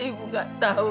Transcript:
ibu nggak tahu